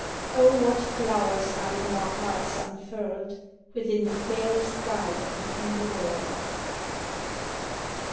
Oh! what flowers are in our hearts unfurl'd Within the fairest garden in the world!